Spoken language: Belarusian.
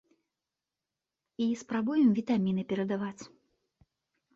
І спрабуем вітаміны перадаваць.